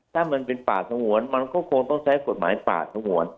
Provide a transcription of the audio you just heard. ถ้ามันเป็นป่าสงวนมันก็คงต้องใช้กฎหมายป่าสงวน